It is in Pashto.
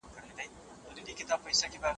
تاسو به له خپلو خپلوانو سره اړیکي پالئ.